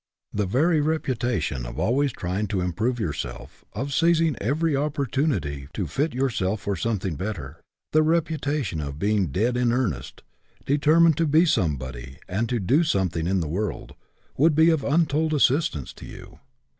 The very reputation of always trying to im prove yourself, of seizing every opportunity to fit yourself for something better, the reputa tion of being dead in earnest, determined to be somebody and to do something in the world, would be of untold assistance to you.